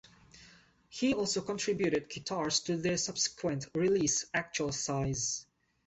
He also contributed guitars to their subsequent release "Actual Size".